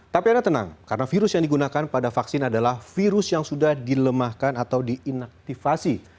tapi anda tenang karena virus yang digunakan pada vaksin adalah virus yang sudah dilemahkan atau diinaktivasi